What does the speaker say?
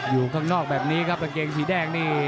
อยู่ข้างนอกแบบนี้ครับกางเกงสีแดงนี่